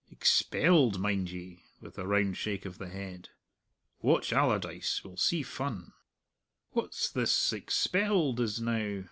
"Expelled, mind ye!" with a round shake of the head. "Watch Allardyce. We'll see fun." "What's this 'expelled' is, now?"